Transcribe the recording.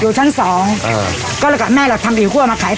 อยู่ชั้นสองอ่าก็แล้วกับแม่เราทำอีกขั้วมาขายต่อ